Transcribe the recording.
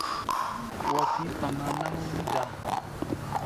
Wa pí̧ kpaŋa náŋ wí-daa.